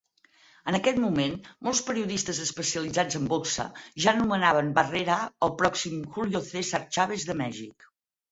En aquest moment, molts periodistes especialitzats en boxa ja anomenaven Barrera "El pròxim Julio César Chávez de Mèxic".